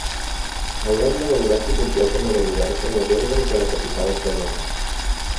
Hauran de valorar si compleixen o desobeeixen les ordres de la capital espanyola.